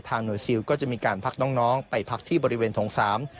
ทางหน่วยซิลก็จะมีการพักน้องไปพักที่บริเวณถงศาล